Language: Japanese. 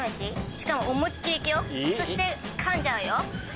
しかも思いっ切りいくよそしてかんじゃうよ。